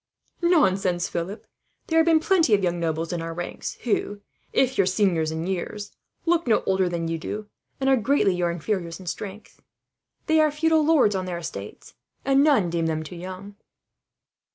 "Nonsense, Philip. There have been plenty of young nobles in our ranks who, if your seniors in years, look no older than you do, and are greatly your inferiors in strength. They are feudal lords on their estates, and none deem them too young."